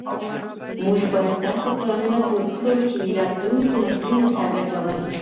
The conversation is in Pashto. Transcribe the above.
موږ بايد داسې پلانونه جوړ کړو چي راتلونکو نسلونو ته ګټور وي.